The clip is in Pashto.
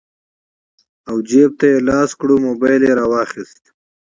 او جېب ته يې لاس کړو موبايل يې رواخيست